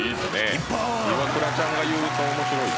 イワクラちゃんが言うと面白い。